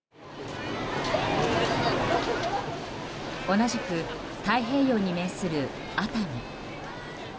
同じく太平洋に面する熱海。